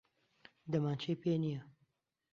دەمانچەی پێ نییە.